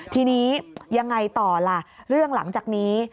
ทีนี้ยังไงต่อล่ะเรื่องหลังจากนี้